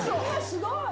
すごい